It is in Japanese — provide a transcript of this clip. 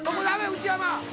内山。